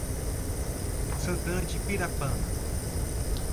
Santana de Pirapama